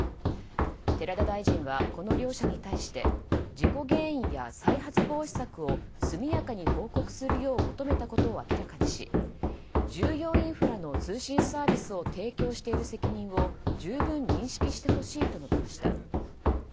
寺田大臣は、この両社に対して事故原因や再発防止策を速やかに報告するよう求めたことを明らかにし重要インフラの通信サービスを提供している責任を十分認識してほしいと述べました。